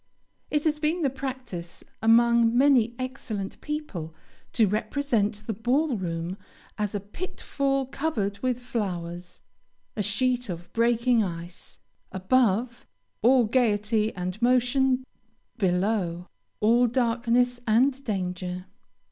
It has been the practice among many excellent people to represent the ball room as a "pitfall covered with flowers;" a sheet of breaking ice; above, all gayety and motion; below, all darkness and danger.